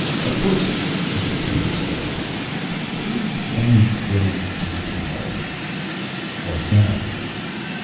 "Of course," he continued slowly, "there's one little detail...." "What's that?"